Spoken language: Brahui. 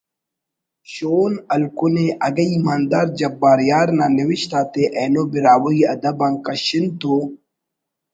شون ہلکنے اگہ ایماندار جبار یار نا نوشت آتے اینو براہوئی ادب آن کشن تو